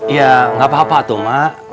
ya gapapa tuh mak